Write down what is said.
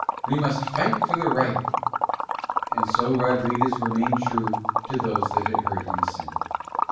"We must fight for the right." And so Rodriguez remained true to those that had heard him sing.